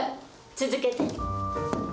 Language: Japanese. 続けて。